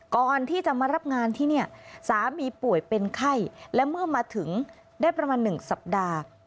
ก่อนที่จะมารับงานที่เนี่ยสามีป่วยเป็นไข้และเมื่อมาถึงได้ประมาณ๑สัปดาห์